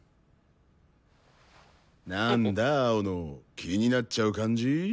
なんだ青野気になっちゃう感じ？